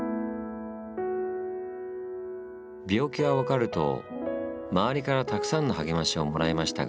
病気が分かると周りからたくさんの励ましをもらいましたが